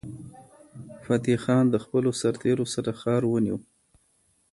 فتح خان د خپلو سرتیرو سره ښار ونیو.